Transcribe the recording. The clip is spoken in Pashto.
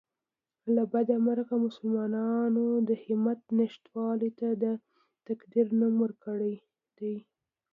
له بده مرغه مسلمانانو د همت نشتوالي ته د تقدیر نوم ورکړی دی